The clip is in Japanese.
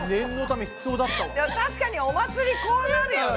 確かにお祭りこうなるよね！